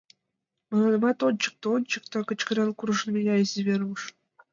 Мыланемат ончыкто, ончыкто! — кычкырен куржын мия изи Веруш.